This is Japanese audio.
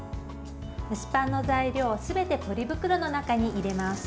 蒸しパンの材料をすべてポリ袋の中に入れます。